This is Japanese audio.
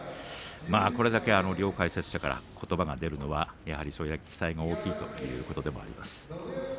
これだけ両解説者からことばが出るのは、それだけ期待が大きいということかと思います。